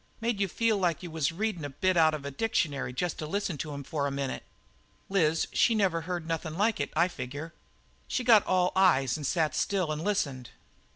Made you feel like you was readin' a bit out of a dictionary jest to listen to him for a minute. Liz, she never heard nothin' like it, I figure. She got all eyes and sat still and listened.